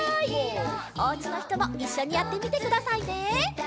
おうちのひともいっしょにやってみてくださいね！